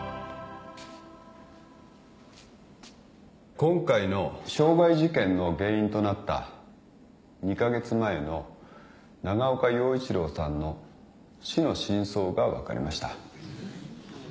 今回の傷害事件の原因となった２カ月前の長岡洋一郎さんの死の真相が分かりました。